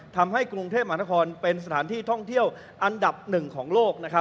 ทำให้กรุงเทพมหานครเป็นสถานที่ท่องเที่ยวอันดับหนึ่งของโลก